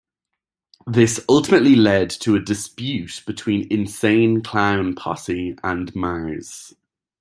This ultimately lead to a dispute between Insane Clown Posse and Marz.